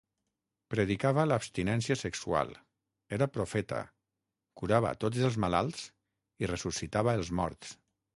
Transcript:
Predicava l'abstinència sexual, era profeta, curava tots els malalts i ressuscitava els morts.